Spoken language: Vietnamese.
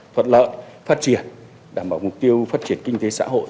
thuận lợi phát triển đảm bảo mục tiêu phát triển kinh tế xã hội